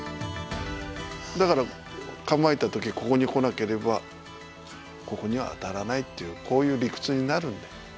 だから構えた時ここに来なければここには当たらないっていうこういう理屈になるんだよ。